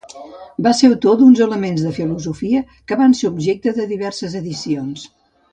Va ser autor d’uns elements de filosofia que van ser objecte de diverses edicions.